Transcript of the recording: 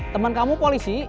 teman kamu polisi